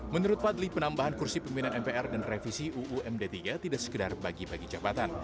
menurut fadli penambahan kursi pimpinan mpr dan revisi uumd tiga tidak sekedar bagi bagi jabatan